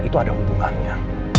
itu ada hubungannya